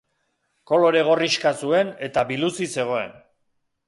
Kolore gorrixka zuen, eta biluzik zegoen.